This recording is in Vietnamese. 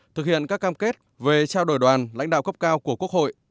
thực hiện các cam kết về trao đổi đoàn lãnh đạo cấp cao của quốc hội